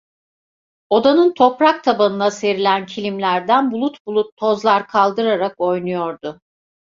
Odanın toprak tabanına serilen kilimlerden bulut bulut tozlar kaldırarak oynuyordu.